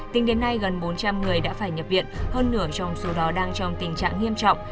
tính đến nay gần bốn trăm linh người đã phải nhập viện hơn nửa trong số đó đang trong tình trạng nghiêm trọng